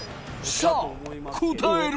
さあ答えろ！